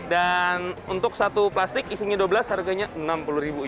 dan untuk satu plastik isinya dua belas harganya enam puluh ribu